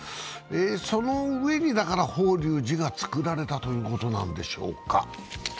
その上にだから法隆寺が造られたということなんでしょうか。